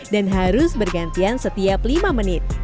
dan harus bergantian setiap lima menit